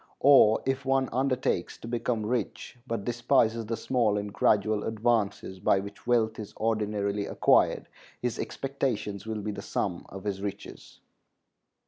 Or if one undertakes to become rich, but despises the small and gradual advances by which wealth is ordinarily acquired, his expectations will be the sum of his riches.